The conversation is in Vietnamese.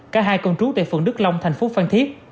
cả hai con trú tại phường đức long thành phố phan thiết